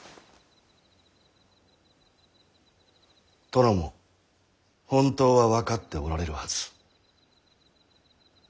殿も本当は分かっておられるはず。